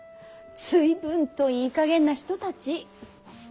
随分といいかげんな人たち。